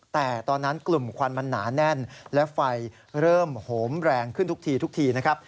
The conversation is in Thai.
แต่ตอนนั้นกลุ่มควันมันหนาแน่นและไฟเริ่มโหมแรงขึ้นทุกทีทุกทีนะครับ